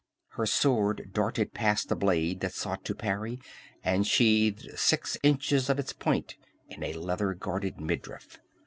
Her sword darted past a blade that sought to parry, and sheathed six inches of its point in a leather guarded midriff.